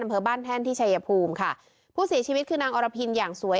อำเภอบ้านแท่นที่ชายภูมิค่ะผู้เสียชีวิตคือนางอรพินอย่างสวย